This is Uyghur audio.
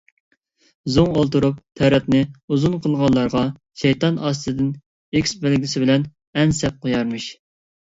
زوڭ ئولتۇرۇپ تەرەتنى ئۇزۇن قىلغانلارغا شەيتان ئاستىدىن ئېكىس بەلگىسى بىلەن ئەن سەپ قويارمىش.